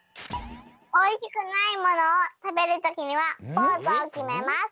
おいしくないものをたべるときにはポーズをきめます。